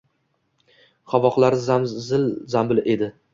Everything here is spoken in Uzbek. Qovoqlari zil-zambil edi.